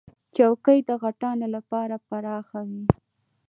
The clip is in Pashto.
چوکۍ د غټانو لپاره پراخه وي.